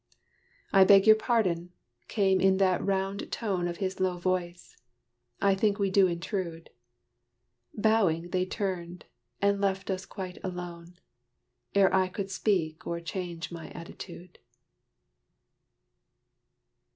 "I beg your pardon," came in that round tone Of his low voice. "I think we do intrude." Bowing, they turned, and left us quite alone Ere I could speak, or change my attitude.